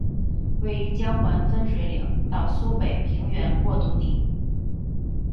位于江淮分水岭到苏北平原过度地。